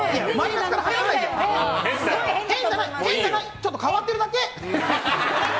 ちょっと変わってるだけ！